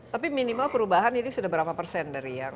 tapi minimal perubahan ini sudah berapa persen